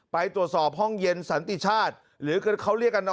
ไปตรวจสอบห้องเย็นนำสัตว์ติชาติหรือก็เขาเรียกกันนะ